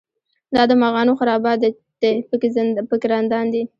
دا د مغانو خرابات دی په کې رندان دي.